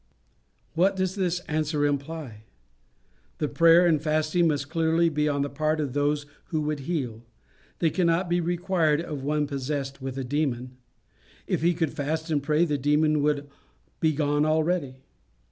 What does this answer imply? The prayer and fasting must clearly be on the part of those who would heal. They cannot be required of one possessed with a demon. If he could fast and pray, the demon would be gone already.